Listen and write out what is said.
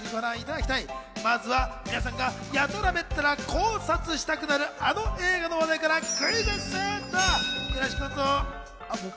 まずは、皆さんがやたらめったら考察したくなるあの映画の話題からクイズッス。